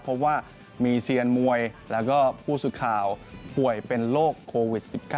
เพราะว่ามีเซียนมวยแล้วก็ผู้สื่อข่าวป่วยเป็นโรคโควิด๑๙